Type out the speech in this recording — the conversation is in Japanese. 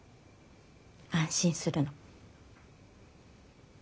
安心するの。